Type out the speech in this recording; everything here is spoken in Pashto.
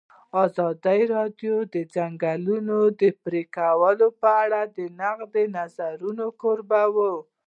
ازادي راډیو د د ځنګلونو پرېکول په اړه د نقدي نظرونو کوربه وه.